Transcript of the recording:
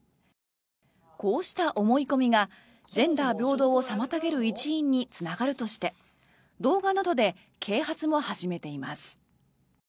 こうした思い込みがジェンダー平等を妨げる一因につながるとして動画などで啓発も始めています。